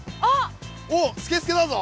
おっスケスケだぞ。